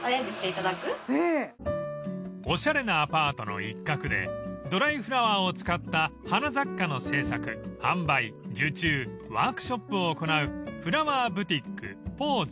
［おしゃれなアパートの一角でドライフラワーを使った花雑貨の製作販売受注ワークショップを行うフラワーブティックＰＡＵＳＥ］